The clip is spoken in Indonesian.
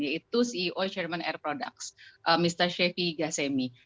yaitu ceo chairman air products mr shefi ghasemi